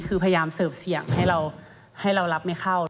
คือพยายามเสิร์ฟเสี่ยงให้เรารับไม่เข้า